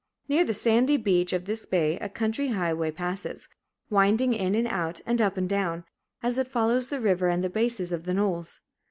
Near the sandy beach of this bay a country highway passes, winding in and out and up and down, as it follows the river and the bases of the knolls.